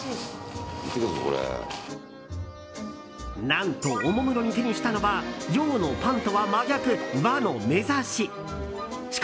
何と、おもむろに手にしたのは洋のパンとは真逆、和のめざし。